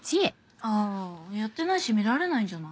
あやってないし見られないんじゃない？